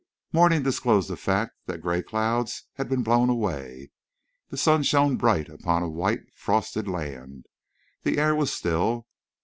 Morning disclosed the fact that gray clouds had been blown away. The sun shone bright upon a white frosted land. The air was still.